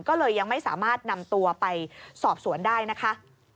ก็เลยยังไม่สามารถนำตัวไปสอบสวนได้นะคะ